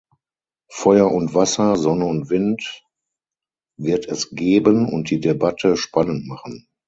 Feuer und Wasser, Sonne und Wind wird es geben und die Debatte spannend machen.